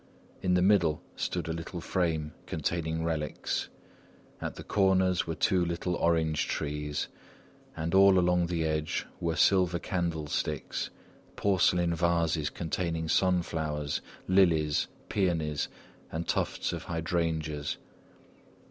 In the middle stood a little frame containing relics; at the corners were two little orange trees, and all along the edge were silver candlesticks, porcelain vases containing sun flowers, lilies, peonies, and tufts of hydrangeas.